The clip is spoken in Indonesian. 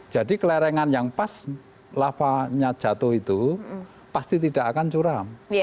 jadi kelerengan yang pas lavanya jatuh itu pasti tidak akan curam